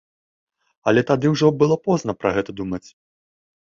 Але тады ўжо было позна пра гэта думаць.